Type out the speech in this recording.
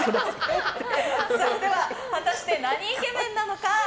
では果たしてなにイケメンなのか。